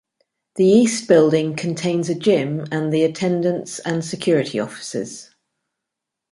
The East Building contains a gym and the Attendance and Security offices.